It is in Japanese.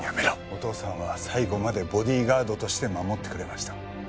お父さんは最後までボディーガードとして護ってくれました。